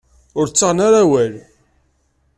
Ur ttaɣen ara awal.